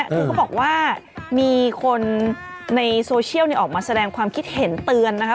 คือเขาบอกว่ามีคนในโซเชียลออกมาแสดงความคิดเห็นเตือนนะคะ